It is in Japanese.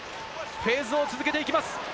フェーズを続けていきます。